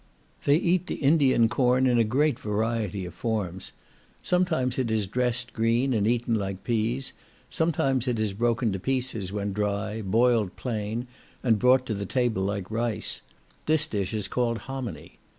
They eat the Indian corn in a great variety of forms; sometimes it is dressed green, and eaten like peas; sometimes it is broken to pieces when dry, boiled plain, and brought to table like rice; this dish is called hominy.